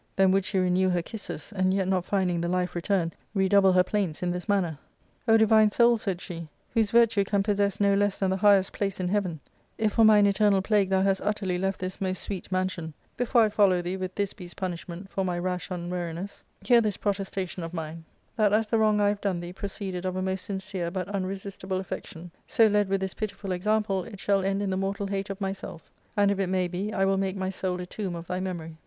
Then would she re new her kisses, and, yet not finding the life return, redouble her plaints in this manner :" O divine soul," said she, "whose virtue can possess no less than the highest place in heaven, if for mine eternal plague thou hast utterly left this most sweet mansion, before I follow thee with Thisbe*s punishment for my rash unwariness, hear this protestation of mine : That as the wrong I have done thee proceeded of a most sincere but unresistible affection, so led with this pitiful example it shall end in the mortal hate of myself, and, if it may be, I will make my soul a tomb of thy memory."